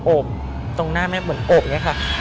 โอบตรงหน้าแม่เหมือนโอบอย่างนี้ค่ะ